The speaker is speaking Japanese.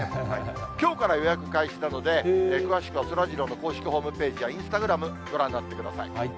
きょうから予約開始なので、詳しくはそらジローの公式ホームページや、インスタグラム、ご覧になってください。